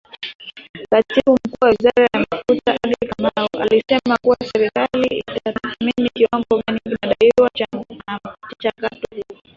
Katibu Mkuu wa Wizara ya Mafuta Andrew Kamau alisema kuwa serikali inatathmini kiwango gani kinadaiwa na mchakato huo